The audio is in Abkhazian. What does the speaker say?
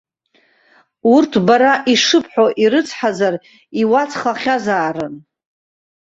Урҭ бара ишыбҳәо ирыцҳазар, иуацхахьазаарын.